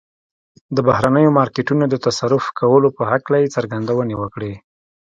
د بهرنيو مارکيټونو د تصرف کولو په هکله يې څرګندونې وکړې.